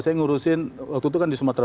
saya ngurusin waktu itu kan di sumatera